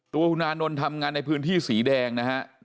ตัวคุณอานนท์ทำงานในพื้นที่สีแดงนะฮะ